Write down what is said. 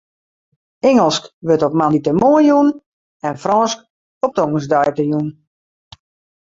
Ingelsk wurdt op moandeitemoarn jûn en Frânsk op tongersdeitejûn.